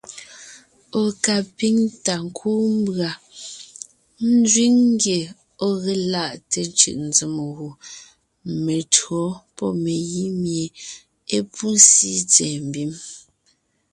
Ɔ̀ ka píŋ ta kúu mbʉ̀a nzẅíŋ ngye ɔ̀ ge laʼte cʉ̀ʼnzèm gù metÿǒ pɔ́ megǐ mie é pú síi tsɛ̀ɛ mbim.s.